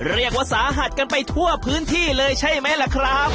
เรียกว่าสาหัสกันไปทั่วพื้นที่เลยใช่ไหมล่ะครับ